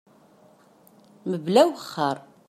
Mebla awexxer.